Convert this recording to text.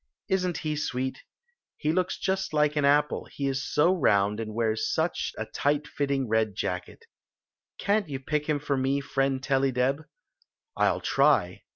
Is nt he sweet?. He looks just like an apple, he is so round and wears such a tight fitting red jacket Can't you pick hira for me, friend Tellydeb?" " I 11 try."